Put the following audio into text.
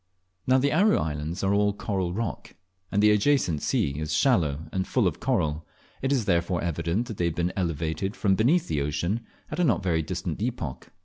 Now the Aru Islands are all coral rock, and the adjacent sea is shallow and full of coral, it is therefore evident that they have been elevated from beneath the ocean at a not very distant epoch.